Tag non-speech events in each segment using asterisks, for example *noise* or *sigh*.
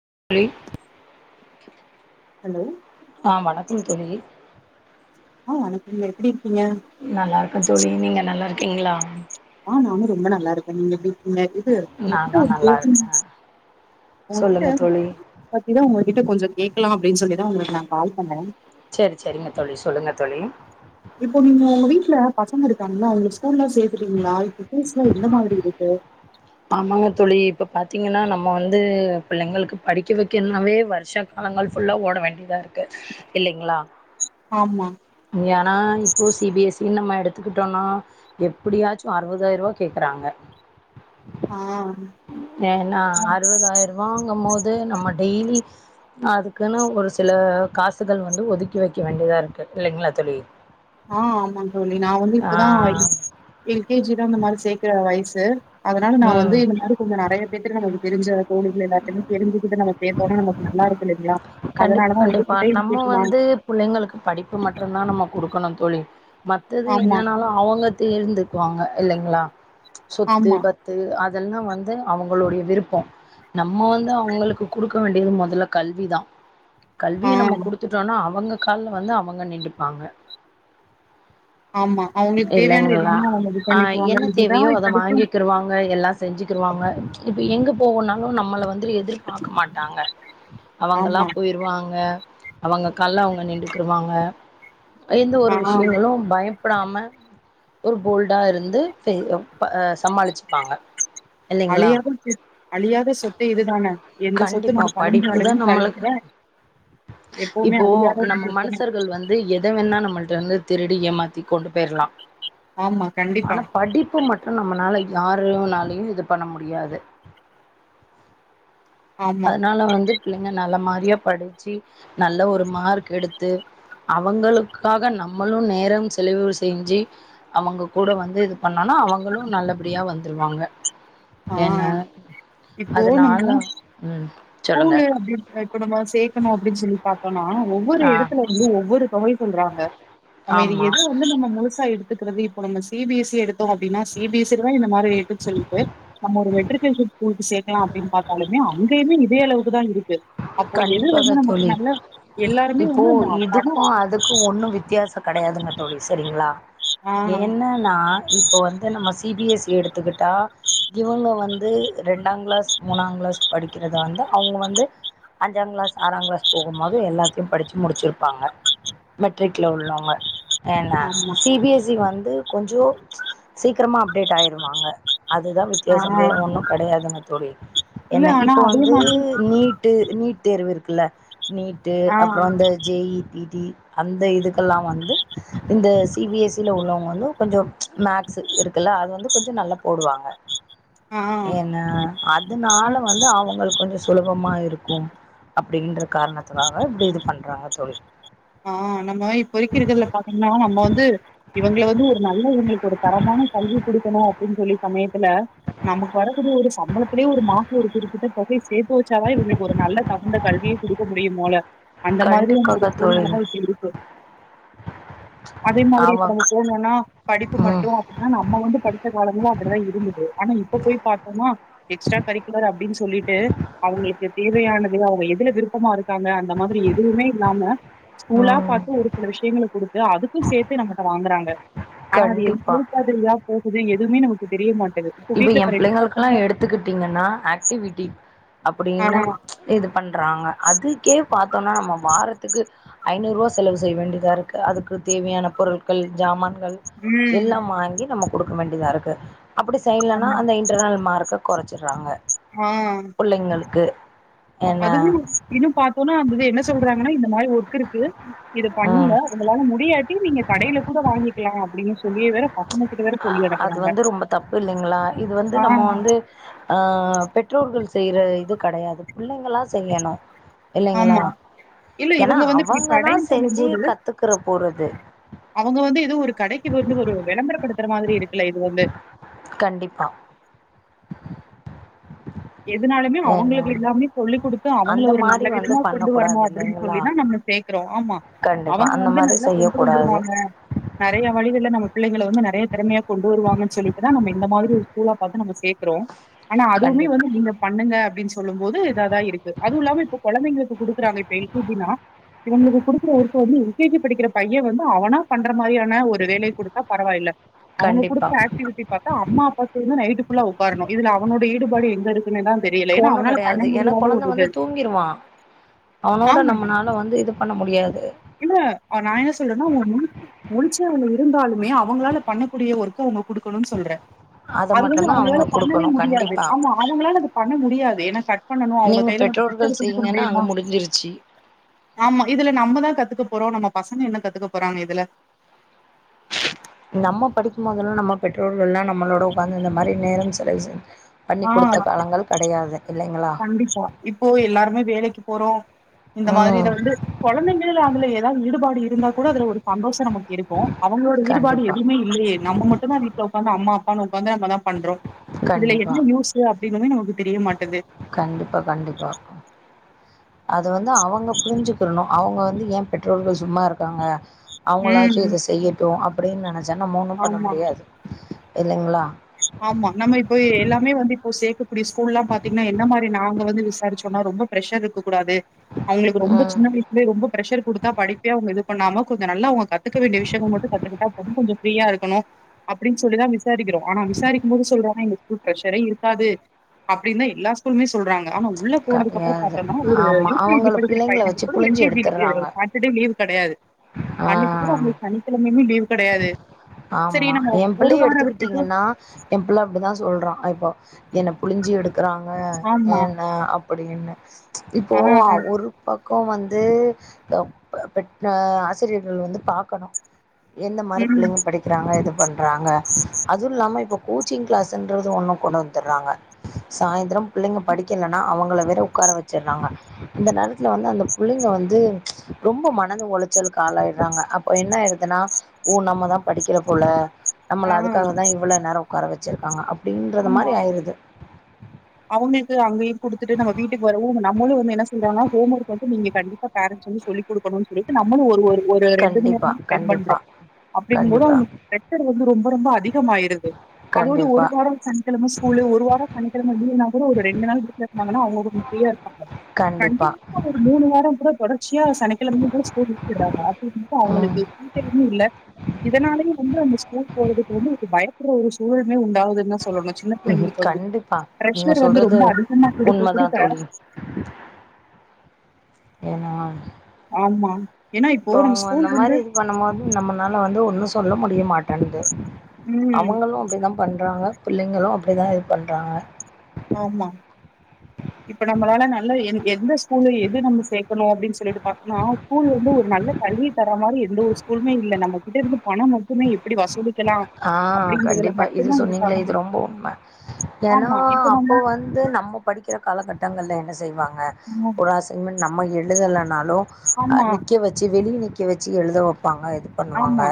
*unintelligible* Hello ஆ வணக்கம் தோழி ஆஹ வனுக்குங்க எப்டி இரு நல்லா இருக்க ஜோலி நீங்க நல்லா இருக்கீங்களா ஆஹ நாங்க ரொம்ப நல்லா இருக்கே நீங்க எப்டி *unintelligible* இது நானு நல்லா உகிட்ட இருக்கே உங்ககிட்ட சொல்லுங்க தோழி பத்திதான் உங்ககிட்ட கொஞ்சம் கேட்கலாம் அப்டின்னு சொல்லிதான் உங்களுக்கு நான் கால் பண்ணேன் சேரி சேரிங்க தோழி சொல்லுங்க தோழி இப்போ நீங்க உங்க வீட்டுல பசங்க இருக்கு நல்லா உங்க ஸ்கூல்ல சேத்தக்கீங்களா இப்ப பீஸ்லாம் எந்த மாரியும் இருக்கு ஆமாங்க தோழி இப்ப பாத்தீங்கன்னா நம்ம வந்து பிள்ளங்களுக்கு படிக்க வக்கன்னாவே வருஷ காலங்கள் ஃபுல்லா ஓட வேண்டியதா இருக்கு இல்லங்களா ஆமா ஆனா இப்போ சி பிஎ ஸ் சினு நம்ம எடுத்துக்கிட்டோம்னா எப்டியாச்சும் அறுபதாயிரம் ரூபா கேக்குறாங்க ஆ ஏன்னா அறுபதாயிரம்பாங்க போது நம்ம டெய்லி அதுக்குன்னு ஒரு சில காசுகள் வந்து ஒதுக்கி வைக்க வேண்டியதாக இருக்கு இல்லங்களா தோழி ஆஹ ஆமா தோழி நான வந்து ஆ இப்தான் எல் கே ஜி தான் இந்த மாரி சேர்க்கற வயசு *unintelligible* அதனால நான ம் வந்து இந்த மாரி கொஞ்சம் நெறைய பேத்து ந தெரிஞ்ச கோழிகள் எல்லாத்தமே தெரிஞ் இது நம்மோட நக்கு நல்லா இருக்கு இல்லங்ளா கண்டிப்பா கண்டிப்பா நம்ம வந்து புள்ளைங்களுக்கு படிப்பு மட்டும்தான் நம்ம குடுக்கணும் தோழி மத்தது ஆமா என்னன்னாலும் அவங்க தேர்ந்தக்குவாங்க இல்லங்களா சொத்து ஆமா பத்து அது அதெல்லாம் வந்து அவங்களுடைய விருப்பம் நம்ம வந்து அவங்களுக்கு கொடுக்க வேண்டியது முதல்ல கல்விதான் கல்விய ஆ நம்ம குடுத்துட்டோம்னா அவங்க கால்ல வந்து அவங்க நின்டுப்பாங்க ஆமா அவங்களுக்கு தேவையானது இல்லங்களா எல்லாமே அவங்க இது அஹ் பண்ணிக்குவாங்க என்ன இதுதா தேவையோ அத இப்பதைக்கு வாங்கக்குருவாங்க எல்லாம் செஞ்சுக்கருவாங்க இப்ப எங்க போகனாலும் நம்மள வந்து எதியும் எதிர்பார்க்க மாட்டாங்க ஆமா அவங்கல்லாம் போயிருவாங்க அவங்க கல்ல அவங்க நிண்டுக்குருவாங்க எந்த ஆ ஒரு விஷயங்களும் பயம் பயப்படாம ஒரு போல்டா இருந்து் சமாளிச்சுப்பாங்க இல்லைங்களா? அழியாத அழியாத சொத்து இதுதானே எந்த சொத்து கண்டிப்பா நம்ம கழ்ச படிப்பு தா அளவுன்னு நம்மளுக்கு கழுதுட எப்வுமே அழியாத இ எத வேன்னா நம்மிட்ட வந்து திருடி ஏமாத்தி கொண்டு போயிடலாம் ஆமா கண்டிப்பா ஆனா படிப்பு மட்டும் நம்மனால யாருனாலயும் இது பண்ண முடியாது ஆமா அதனால வந்து புள்ளைங்க நல்ல மாரி ந படிச்சு நல்ல ஒரு மார்க் எடுத்து அவங்களுக்காக நம்மளும் நேரம் செலவு செஞ்சு அவங்க கூட வந்து இது பண்ண னாலும் அவங்களும் நல்லபடியா வந்து வருவாங்க ஆஹ் இப்போ அதனால நம்ம ம் சொல்லுங்க ஸ்கூல்லு அப்படி இப்ப நம்ம சேக்கணும் அப்பிடின்னு சொல்லி பாத்தோம்னா ஒவ்வொரு ஆ இடத்துல வந்து ஒவ்வொரு தொகை சொல்றாங்க நம்ம இது ஆமா எது வந்து நம்ம முழுசா எடுத் இருக்குறது இப்ப நம்ம சி பி எஸ் சிஎடுத்தோம் அப்பிடினா சி பி எஸ் ஸி தான் இந்த மாரி சொல்லிட்டு நம்ம ஒரு மெட்ரிக்குலேசன் ஸ்கூல் சேக்கலாம் அப்புடின்னு பாத்தா அங்கயுமே பெரிய அளவுக்கு தான் இருக்கு அப்போ எது வந்து கண்டிப்பாக நமக்கு தோழி நல்ல எல்லாருமே இப்போ வந்து இந்த பணம் இதுக்கும் அதுக்கும் ஒன்னும் வித்தியாசம் கிடையாதுங்க தோழி சரிங்களா ஆ என்னன்னா இப்ப வந்து நம்ம சிபிஎஸ்சி எடுத்துக்கிட்டா இவங்க வந்து ரெண்டா கிளாஸ் மூணா கிளாஸ் படிக்கிறத வந்து அவுங்க வந்து அஞ்சாம் கிளாஸ் ஆறாம் கிளாஸ் போகும்போது எல்லாத்தையும் படித்து முடிச்சிருப்பாங்க மெட்ரிக்கில்ல உள்ளவங்க என்னா ஆமா சிபிஎஸ்சி வந்து கொஞ்சோம் சீக்கிரமா அப்டேட் ஆயிருவாங்க அதுதான் ஆ வித்தியாசம் வேற ஒன்றும் கிடையாதுங்க தோழி இல்ல என்ன ஆனா இப்போ அதே வந்து மாதிரி நீட்டு நீட் தேர்வு இருக்குல்ல நீட்டு ஆ அப்புறம் அந்த ஜெயி தி அந்த இதுக்கெல்லாம் வந்து இந்த சிபிஎஸ்சில உள்ளவங்க வந்து கொஞ்சம் மேக்ஸ் இருக்குல்ல அது வந்து கொஞ்சம் நல்லா போடுவாங்க ஆ என்ன ஆ அதுனால வந்து அவங்களுக்கு கொஞ்சம் சொல மா இருக்கும் அப்படின்ற காரணத்துக்காக இப்பிடி இது பண்றாங்க தோழி ஆ நம்ம இப்போதைக்கு இருக்கிறதுல பாத்தீங்கன்னா, நம்ம வந்து இவங்கள வந்து இருக்கணும் அப்படின்னு சொல்லி சமயத்துல நமக்கு வரக்கூடிய ஒரு சம்பளத்திலயே ஒரு மாச ஒரு குறிப்பிட்ட தொகைய சேர்த்து வைச்சாதான் இவங்களுக்கு ஒரு நல்ல தகுந்த கல்வியை குடுக்க முடியும் போல அந்த மாதிரி இது கண்டிப்பாக தோழி. தான் இப்ப இருக்கு அதே மாதிரி ஆமா இப்ப நம்ம போன்னா படிப்பு ம் மட்டும் அப்படின்னா நம்ம வந்து படிச்ச காலத்துல அப்படிதான் இருந்தது ஆனா இப்ப போய் பாத்தோம்னா எக்ஸ்ட்ரா கரிக்குலர் அப்பிடின்னு சொல்லிட்டு அவங்களுக்கு தேவையானது அவங்க எதுல விருப்பமா இருக்காங்க அந்த மாதிரி எதுவுமே இல்லாம ஸ்கூலா ம் பாத்து ஒரு சில விஷயங்க குடுத்து அதுக்கும் சேர்த்து நம்மகிட்ட வாங்கறாங்க ஆனா அது எந்த கண்டிப்பா ஒரு பாதிரியா போ எதுவுமே நமக்கு தெரிய மாட் இப்ப என் பிள்ளைங்களு எல்லாம் எடுத்துக்கிட்டீங்கன்னா ஆக்டிவிட்டி ஆ அப்படின்னு இது பண்றாங்க அதுக்கே பாத் நம்ம வாரத்துக்கு ஐநூறு ரூபா செலவு செய்ய வேண்டியதா இருக்கு அதுக்கு தேவையான பொருட்கள் ஜாமான் கள் ம் எல்லாம் வாங்கி நம கொடுக்க வேண்டியதா இருக்கு அப்படி சைய்லன்னா ஆமா அந்த இன்டர்னல் மார்க் குறைச்சிடுறாங்க புள்ளைங்களுக்கு என்ன அதுவும் இன்னும் பாத்தோம்னா அது என்ன சொல்றாங்கன்னா இந்த மாதிரி ஒர்க் இருக்கு இது ம் பண்ணுங்க உங்களால முடியாட்டி நீங்க கடையில கூட வாங்கி கிலாம் அப்பிடின்னு சொல்லே வேற பசங்க கிட்ட வேற சொல்லி அது அனுப்புறாங்க வந்து ரொம்ப தப்பு இல்லைங்களா இது வந்து ஆ நம்ம வந்து அஹ் பெற்றோர்கள் செய்யற இது கிடையாது பிள்ளைங்களா செய்யணும் ஆமா இல்ல இவங்க வந்து இப்படி அவங்கதா கடைன்னு செஞ்சு சொல்லும்போது கத்துக்கிற போறது அவங்க வந்து ஏதோ ஒரு கடைக்கு வந்து ஒரு விளம்பரப்படுத்துற மாதிரி இருக்கு இல்ல இது வந்து கண்டிப்பா எதுனாலுமே ஏன்னா அவங்களுக்கு எல்லாமே சொல்லி் கொடுத்து அவங்கள அந்த ஒரு மாரி நல்ல வந்து விதமா பண்ண கொண்டு கூடாது வரணும் அப்டின்னு இல்லைங்களா சொல்லிதான் நம்ம சேர்க்கறோம் ஆமா கண்டிப்பா அவங்க அந்த வந்து மாரி நல்லா செய்ய கொண்டு கூடாது வந்துருவாங்க நெறைய வழிகளை நம்ம பிள்ளைளை வந்து நிறைய திறமையா கொண்டு வருவாங்கன்னு சொல்லிட்டுதான் நம்ம இந்த மாதிரி ஸ்கூலா பாத்து நம்ம சேர்க்கிறோம் ஆனா அதுவுமே கண்டிப்பா வந்து பண்ணுங்க அப்பிடின்னு சொல்லும்போது இததா இருக்கு அதுவும் இல்லாமா இப்போ குழந்தைகளுக்கு கூடுகுறாங்க எல்கேஜினா நா இவங்களுக்கு குடுக்குற ஒர்க் வந்து யுகேஜி படிக்கிற பையன் வந்து அவனா பண்ற இந்த மாதிரியான ஒரு வேலை கொடுத்த பரவாயில்ல அவங்க கண்டிப்பா கொடுத்த ஆக்டிவிட்டி பாத்தா அம்மா அப்பா சேர்ந்து பாத்தா நைட் ஃபுல்லா ஒக்கரனும் இதுல அவனோட ஈடுபாடு எங்க இருக்கு என்னடா ஒண்ணும் கிடையாது ஏன்னா கொழந்தை வந்து தூங்கிருவான் அவனோட ஆமா நம்மனால வந்து இது பண்ண முடியாது இல்ல அவ நான் என்ன சொல்றேன்னா முழிச்சு இருந்தாலுமே அவங்களால பண்ணக்கூடிய ஒர்க்கு அவங்க குடுக்கணும் சொல்ற அத அது மட்டுந்தா அவங்க அவங்களால பண்ணவே குடுக்கணு முடியாது கண்டிப்பா ஆமா அதுங்களால் பண்ண முடியாது கட் பண்ணும் அவங்க நீங்க கைல கத்தரிய பெற்றோர்கள் குடுக்க செய்யுங்கன்னா முடியுமா அங்க முடிஞ்சிருச்சு ஆமா இதுல நம்மதான் கத் போறோம் நம்ம பசங்க என்ன கத்துக்க போறாங்க இதுல நம்ம படிக்கும் போதெல்லாம் நம்ம பெற்றோர்கள் எல்லா நம்மளோட உக்காந்து இந்த மாரி நேரம் செலவு செஞ் பண்ணி ஆ குடுத்த காலங்கள் கிடையாது கண்டிப்பா இப்போ எல்லாருமே வேலைக்கு போறம் இந்த ம் மாதிரியில வந்து கொழந்தைங்கல அதுல ஈடுபாடு இருந்தா கூட அதுல ஒரு சந்தோஷம் நமக்கு இருக்கும் அவங்களோட ஈடுபாடு கண்டிப்பா எதுவுமே இல்லையே நம்ம மட்டும்தான் வீட்ல உக்காந்து அம்மா அவங்க பதில் நம்ம தான் பண்றோம் இதுல கண்டிப்பா என்ன யூஸ்சு அப்டின்னு நமக்கு தெரிய மாட் கது கண்டிப்பா கண்டிப்பா அது வந்து அவங்க புரிஞ்சுக்கணும் அவங்க வந்து ஏன் பெற்றோர்கள் சும்மா இருக்காங்க அவங்களாச்சும் ம் இத செய்யட்டும் அப் அப்டின்னு நெ தினம் மூன்னும் பண்ண ஆமா முடியாது இல்லைங்களா ஆமா நம்ம இப்போ எல்லாமே வந்து இப்போ சேர்க்கக்கூடிய ஸ்கூல்ல எல்லா பாத்தீங்கன்னா என்ன மாரி நாங்க வந்து விசாரிச்சோம்னா ரொம்ப பிரஷர் இருக்க கூடாது அவங்களுக்கு ரொம்ப ம் சின்ன வயசுலய ரொம்ப பிரரெஷர்டுத்தா படிப்பே அவங்க எது இப்ப ணாம கொஞ்சம் நல்லாங்க கத்துக்க வேண்டிய விஷயங்கள் மட்டு கத்துக்கிட்டா கொஞ்சம் பிரியா இருணும் அப்படின்னு சொல்லிதா விசாரிக்கிறோ ஆனா வி சாரிக்கும் போது சொல்றாங்க எங்ளுக் ஸ்கூல் பிரஷ்ஷரே இருக்காது அப்படின்னா எல்லா ஸ்கூலுமே சொல்றாங்க ஆனா உள்ள போனதுப்புறம கெடையாது பார்த்தோம்னா ஒரு ஆமா யு கே ஜி அவங்கள படிக்கிற பிள்ளைங்கள வச்சு பையனு எல் புழிஞ்சு கே ஜி லீவ் எடுத்துர்றாங்க விடறது சாட்டர்டே லீவ் கிடையாது அன்னைக்கு கூட ஆ அவங்களுக்கு சனிக்கிழமைமே லீவ் கிடையாது சேரி நம்ம ஒரு வாரம் விட்டுட்டு ஹா என் புல்ல அப்படிதான் சொல்றான் இப்போ என்ன புழிஞ்சு எடு இருக்கறாங்க ஆமா என்ன அப் அப்படின்னு ஆ இப்போஹவ் ஒரு பக் இப்ப வந்து ப ப பெற்ற ஆசிரியர்கள் வந்து பாக்கணும் எந்த மாரி ம் பிள்ளைங்க படிக்கிறாங்க எது பண்றாங்க அதுவும் இல்லாம இப்ப கோச்சிங் கிளாஸ்ன்றது ஒன்னும் கொண்டு வந்துடுறாங்க சாயந்திரம் பிள்ளைங்க படிக்கலைன்னா அவங்கள வேற உட்கார வச்சுற்றாங்க இந்த நேரத்துல வந்து அந்த பிள்ளைங்க வந்து ரொம்ப மனது உளைச்சலுக்கு ஆள ஆயிடுறாங்க அப்ப என்ன ஆயிடுதுன்னா ஓ நம்மதான் படிக்கிற புள்ள நம்ள ஆ அதுக்காக தான் இவ்ளோ நேரம் உக்காரவச் வச்சிருக்காங்க அப் அப்படின்றது ஆமா மாரி ஆயிடுது அவங்களுக்கு அங்கயையும் கொடுத்துட்டு நம்ம வீட்டுக்கு வரவோ நம்ளும் வந்து என்ன சொல்றாங்கா ஹோம் ஒர்க் வந்து நீங்க கண்டிப்பா பேரண்ட்ஸ் வந்து சொல்லி கொடுக்கணும்னு சொல்லிட்டு நம்மளும் ஒருஒரு ஒரு ரெண்டு மூணு கண்டிப்பா நேரமா ஸ்பன் கண்டிப்பா பண்றோம் அப்படிங் போதும் கண்டிப்பா அவங்க பிரஷர் வந்து ரொம்ப ரொம்ப அதிகமா ஆயிடுது அதோடு ஒரு கண்டிப்பா நேரம் சன் தினமு ஸ்கூலு ஒரு வார சனிக்கிழ *unintelligible* கூட ஒரு ரெண்டு நாள் வீட்ல இருதங்கன அவங்க ஃப்ரியா கண்டிப்பா ஒரு மூணு வாரம் கூட தொடர்ச்சியா சனிக்கிழமையும் கூட ஸ்கூல் வெச்சடுறாங்க இப்ப ம் அவங்களுக்கு இன்டர்வியூ ம் இல்ல இதனாலயே வந்து அந்த ஸ்கூல் போறதுக்கு வந்து பயக்குற ஒரு சூழம உண்டாகு வந்து என்ன சொல்லணும் சின்ன ம் பிள்ளைங்கு வந்து கண்டிப்பா நீங்க பிரஷர் வந்து சொல்றது ரொம்ப அதிகமாக குடுக்க குடுக்க உண்மைதான் தோழி ஏன்னா ஆம்மா இப்ப அவங்க அந்த மாரி இது பண்ணும் போது நம்ம அதனால வந்து ஒன்னும் சொல்ல முடியமாட்டேன்து ம் அவுங்களும் அப்டித்தான் பண்றாங்க பிள்ளைங்களும் அப்படிதான் இதுப் பண்றாங்க ஆம்மா இப்ப நம்மளால நல்ல எந்எந்த ஸ்கூல்ல எது நம்ம சேக் பன்னுவோம் அப்படினு சொல்லிட்டு நான் ஸ்கூல்ல இருந்து ஒரு நல்ல கல்வி தர மாதிரி எந்த ஒரு ஸ்கூலுமே இல்ல நம்ம கிட்ட இருந்து பணம் மட்டுமே எப்படி வசூலிக் ஆஹ் கண்டிப்பா இது சொன்னீங்களே இருக்காங்க இது ரொம்ப உண்மை ஏன்னா ஆமா இப்ப அப்போ நம்ம வந்து நம்ம படிக்கிற காலகட்டங்கள்ல என்ன செய்வா ங்க ம். ஒருஅசைமெண்ட் நம்ம எழுதலனால் ஹலோ ஆமா நிக்க வச்சி வெளியே நி நிக்க வச்சு எழுத வப் பாங்க இது பண்ணுவாங்க ஆமா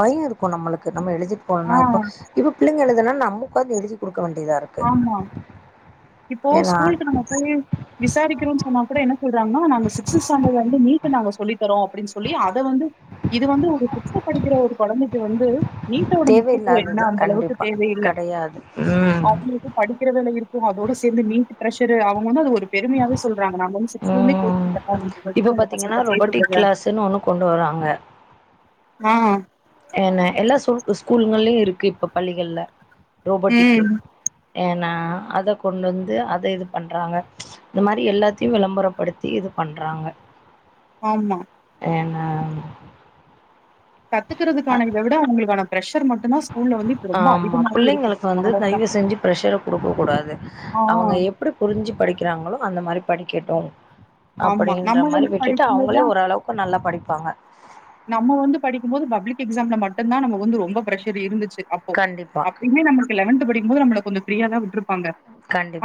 பயம் இருக்கும் நம்மளுக்கு நம்ம எழுதிட்டு போலனா ஆ இப்ப இப்ப பிள்ளை எழுது இப்ப எல்லாம் நம்ம உக்காந்தி எழுதி கொடுக் க வேண்டியதா இருக்கு ஆமா இப்போ ஏன்னா ஸ்கூலுக்கு நம்ம போய் விசாரிக்கிறோன்னு சொன்னா கூட என்ன சொல்றாங்கனா நாங்க சிக்ஸ்த் ஸ்டாண்டர்ட் வந்து நீட்டு நாங்க சொல்லித்தறோம் அப்படின்னு சொல்லி அதவந்து இது வந்து ஓரு சிக்ஸ்த்து படிக்கிற ஒரு குழந்தைக்கு வந்து வீட்டோட முக்கியத்துவம் என்ன தேவையில்லாதது அந்த அளவுக்கு கண்டிப்பா தேவையில்லை கெடையாது ம் அவுங்களுக்கும் படிக்கிற வேலை இருக்கும் அதோட வீட்டு பிரஷர் ஆவுங்க வந்து அது ஒரு பெருமையாவே சொல்றாங்க நான் வந்து சிக்ஸ்த்துல இருந்தே ம் கோச்சிங் தரோம் எங்க இப்ப கிட்ட உங்க பாத்தீங்கன்னா பசங்கள சேர்த்து ரொபோட்டிக் விடுங்க கிளாஸ்ன்னு ஒண்ணு கொண்டு வராங்க *unintelligible* ஆஹ் என்ன எல்லா ஸ்கூலுங்களையும் இருக்கு இப்ப பள்ளிகள்ல ரோபோட்டிக்கு ம் ஏனா அதை கொண்டு வந்து அதை இது பண்றாங்க இந்த மாரி எல்லாத்தையும் விளம்பரப்படுத்தி இது பண்றாங்க ஆமா ஏன்னா கத்துக்கறதுக்கான இதை விட அவுங்களுக்கு ஆன ஆமா இருக்கு பிள்ளைங்களுக்கு வந்து அவ்ளோதா தயவு செஞ்சு பிரஷர்ர கொடுக்க கூடாது ஆ அவுங்க எப்படி புரிஞ்சு படிக் கிறாங்களோ அந்த மாரி படிக்கட்டும் ஆமா அப்படின்ற நம்ம மாரி வந்து விட்டுட்டு படிக்கும்போதுலா அவுங்களே ஓரளவுக்கு நல்லா படிப் வாங்க நம்ம வந்து படிக்கும் போது பப்ளிக் எக்ஸாம்ல மட்டும்தான் நம்ம வந்து ரொம்ப ப்ரெஷர் இருந்துச்சு அப்போ கண்டிப்பா அப்படியே நமக்கு லெவன்த் படிக்கும்போது நம்மளுக்கு கொஞ்ச பிரீய த விட்டுப்பாங்க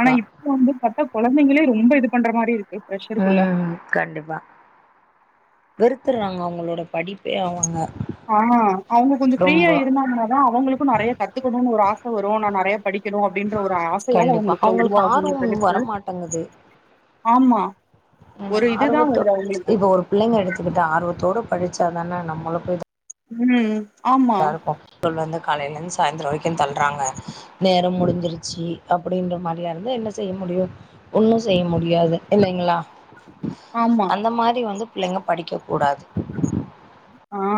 ஆனா இப்ப வந்து ப்த்த குழந்தைங்களே ரொம்ப இது பண்ற மாரி இருக்கு ப்ரெஷருக்குள்ள. உம் கண்டிப்பா வெறுத்துடுறாங்க அவங்களோட படிப்பே அவங்க ஆஹ அவங்க கொஞ்சம் ரொம்ப ஃப்ரீயா இருந்தாங்கன தான் அவங்களுக்கும் நிறைய கத்துக்கணும்ன்னு ஒரு ஆசை வரும் நான் நிறைய கண்டிப்பா அவங்களுக்கு உருவாகுமே ஆர்வம் தவிர்த்து வரமாட்டேங்குது ஆமா. ஒரு இதுதான் ஆர்வத்தோ வருது அவங்களுக்கு. இப்ப ஒரு பிள்ளைங்க எடுத்துக்கிட்டா ஆர்வத்தோடு படிச் ச்சா தானா நம்மளுக்கு உம்ம் சருக்கும் வந்து காலையில இருந்து சாயந்திரம் வரைக்கும் தல்றாங்க நேரம் முடிஞ்சிருச்சு அப்படின்ற மாதிரியா இருந்த என்ன செய்ய முடியும் ஒன்னும் செய்ய முடியாது இல்லைங்களா ஆமா. அந்த மாதிரி வந்து பிள்ளைங்க படிக்கக் கூடாது ஆஹ்